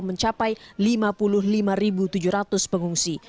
mencapai lima puluh lima tujuh ratus pengungsi